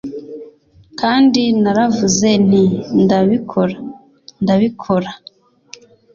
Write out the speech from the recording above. Kandi naravuze nti ndabikora, ndabikora.